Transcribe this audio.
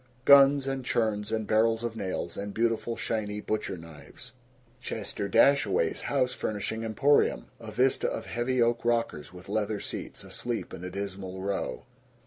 Guns and churns and barrels of nails and beautiful shiny butcher knives. Chester Dashaway's House Furnishing Emporium. A vista of heavy oak rockers with leather seats, asleep in a dismal row.